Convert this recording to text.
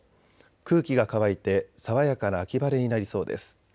空気が乾いて爽やかな秋晴れになりそうです。